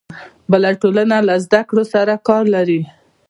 بله ټولنه له زده کړو سره کار لري.